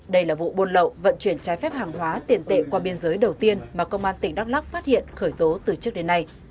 đây là vụ buôn lậu vận chuyển trái phép hàng hóa tiền tệ qua biên giới đầu tiên mà công an tỉnh đắk lắc phát hiện khởi tố từ trước đến nay